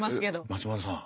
松丸さん。